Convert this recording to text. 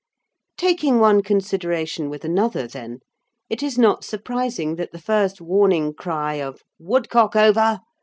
Taking one consideration with another, then, it is not surprising that the first warning cry of "Woodcock over!"